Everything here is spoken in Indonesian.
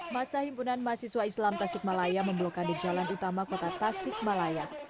masa himpunan mahasiswa islam tasikmalaya memblokade jalan utama kota tasik malaya